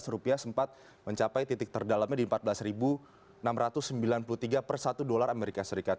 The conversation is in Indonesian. rupiah sempat mencapai titik terdalamnya di empat belas enam ratus sembilan puluh tiga per satu dolar amerika serikat